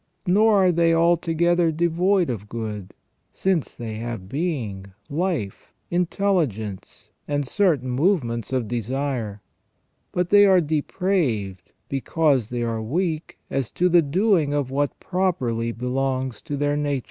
Nor are they altogether devoid of good, since they have being, life, intelligence, and certain movements of desire; but they are depraved because they are weak as to the doing of what properly belongs to their nature.